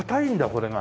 これが。